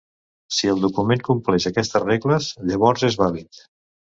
Si el document compleix aquestes regles, llavors és vàlid.